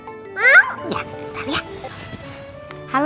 aku nanya kak dan rena